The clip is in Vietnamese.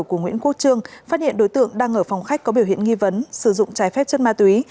của nguyễn quốc trương phát hiện đối tượng đang ở phòng khách có biểu hiện nghi vấn sử dụng trái phép chất ma túy